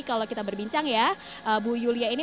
kalau kita berbincang ya bu yulia ini